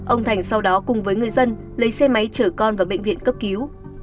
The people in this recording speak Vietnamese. ông thành sau đó cùng với người dân lấy xe máy chở con vào bệnh viện cấp cứu